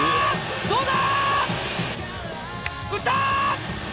どうだ！